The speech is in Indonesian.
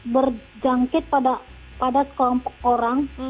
berjangkit pada sekelompok orang